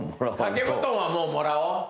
掛け布団はもうもらおう。